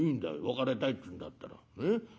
別れたいっつうんだったら。